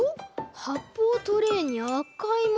はっぽうトレイにあかいもの。